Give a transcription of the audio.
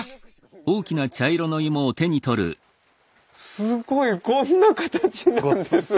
すごい！こんな形なんですね。